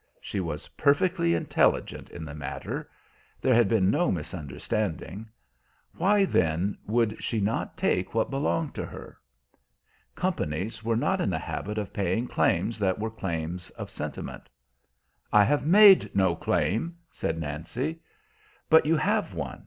She was perfectly intelligent in the matter; there had been no misunderstanding. Why then would she not take what belonged to her? Companies were not in the habit of paying claims that were claims of sentiment. "I have made no claim," said Nancy. "But you have one.